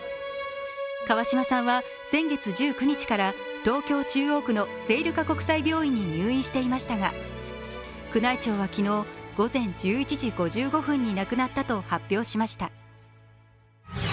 川嶋さんは先月１９日から東京・中央区の聖路加国際病院に入院していましたが宮内庁は昨日、午前１１時５５分に亡くなったと発表しました。